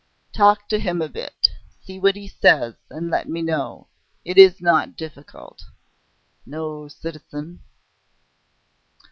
Talk to him a bit.... See what he says and let me know. It is not difficult." "No, citizen."